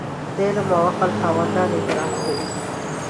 د علم او عقل خاوندان اعتراف کوي.